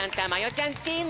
ちゃんチーム！